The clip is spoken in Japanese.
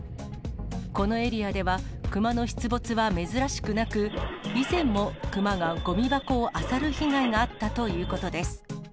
このエリアでは、熊の出没は珍しくなく、以前も熊がごみ箱をあさる被害があったということです。